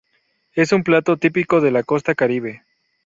Es un plato típico de la Costa Caribe.